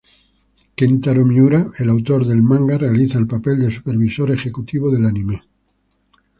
Kentaro Miura, el autor del manga, realiza el papel de "supervisor ejecutivo" del anime.